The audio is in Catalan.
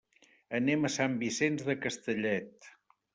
Anem a Sant Vicenç de Castellet.